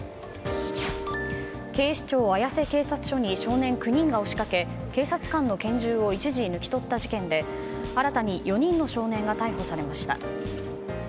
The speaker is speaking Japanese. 警視庁綾瀬警察署に少年９人が押し掛け警察官の拳銃を一時抜き取った事件で新たに４人の少年が逮捕されました。